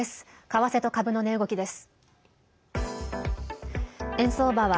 為替と株の値動きです。